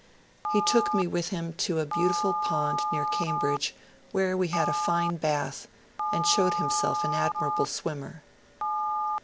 He took me with him to a beautiful pond near Cam bridge where we had a fine bath, and showed himself an admirable swimmer.